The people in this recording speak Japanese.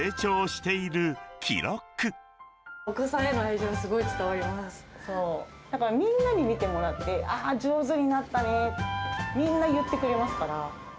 お子さんへの愛情、すごい伝だから、みんなに見てもらって、あー、上手になったねって、みんな言ってくれますから。